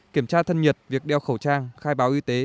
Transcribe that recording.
kiểm tra thân nhiệt việc đeo khẩu trang khai báo y tế